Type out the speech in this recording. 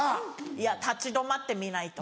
いや立ち止まって見ないと。